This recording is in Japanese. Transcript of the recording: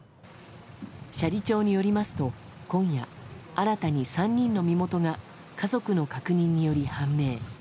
斜里町によりますと今夜、新たに３人の身元が家族の確認により判明。